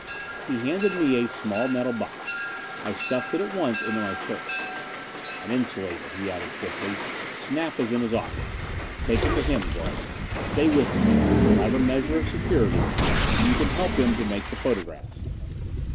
He handed me a small metal box. I stuffed it at once into my shirt. "An insulator," he added, swiftly. "Snap is in his office. Take it to him, Gregg. Stay with him you'll have a measure of security and you can help him to make the photographs."